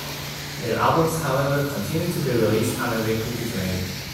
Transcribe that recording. Their albums, however, continued to be released under the Cookies name.